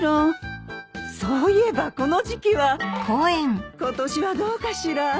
そういえばこの時季は今年はどうかしら。